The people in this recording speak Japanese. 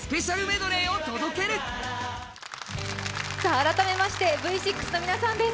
改めましてＶ６の皆さんです。